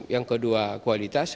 yang kedua kualitas